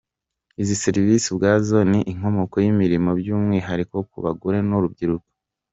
Izi serivisi ubwazo ni inkomoko y’imirimo by’umwihariko ku bagore n’urubyiruko.”